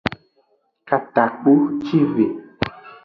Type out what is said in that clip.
Katakpucive.